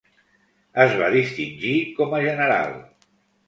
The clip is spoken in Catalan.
Es va distingir com a general.